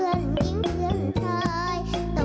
น้ำตาตกโคให้มีโชคเมียรสิเราเคยคบกันเหอะน้ำตาตกโคให้มีโชค